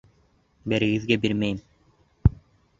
Берегеҙгә бирмәйем!